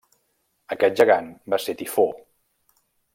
Aquest gegant va ser Tifó.